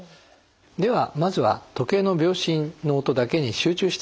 ではまずは時計の秒針の音だけに集中して聴きましょう。